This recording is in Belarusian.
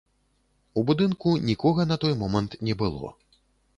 У будынку нікога на той момант не было.